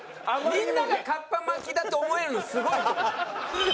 みんながかっぱ巻きだと思えるのすごいと思う。